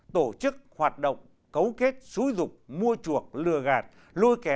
tổ chức hoạt động cấu kết xúi dục mua chuộc lừa gạt